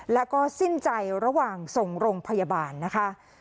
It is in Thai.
แล้วก็สิ้นใจระหว่างส่งโรงพยาบาลนะคะ